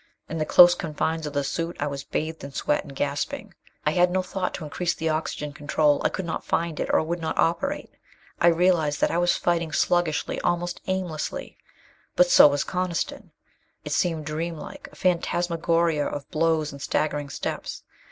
In the close confines of the suit I was bathed in sweat and gasping. I had no thought to increase the oxygen control. I could not find it; or it would not operate. I realized that I was fighting sluggishly, almost aimlessly. But so was Coniston! It seemed dreamlike. A phantasmagoria of blows and staggering steps.